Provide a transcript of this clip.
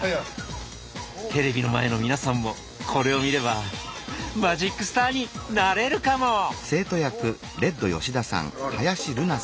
テレビの前の皆さんもこれを見ればマジックスターになれるかも⁉おお！